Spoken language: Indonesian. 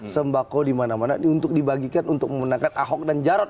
sembako dimana mana untuk dibagikan untuk memenangkan ahok dan jarot